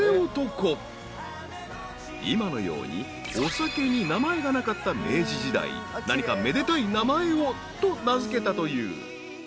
［今のようにお酒に名前がなかった明治時代何かめでたい名前をと名付けたという］